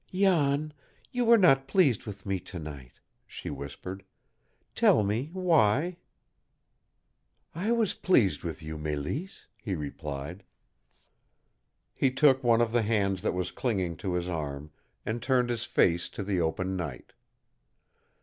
"Jan, you were not pleased with me to night," she whispered. "Tell me, why?" "I was pleased with you, Mélisse," he replied. He took one of the hands that was clinging to his arm, and turned his face to the open night.